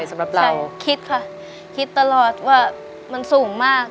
สำหรับเราเราคิดค่ะคิดตลอดว่ามันสูงมาก